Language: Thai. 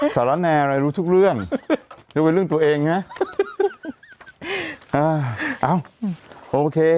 สาระแนร์อะไรรู้ทุกเรื่องยกไว้เรื่องตัวเองนะอ่าเอาโอเค